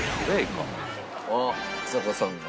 あっちさ子さんが。